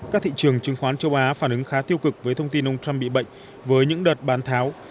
các thị trường chứng khoán châu á phản ứng khá tiêu cực với thông tin ông trump bị bệnh với những đợt bán tháo